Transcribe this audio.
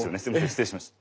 失礼しました。